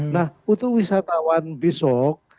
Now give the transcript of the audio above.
nah untuk wisatawan besok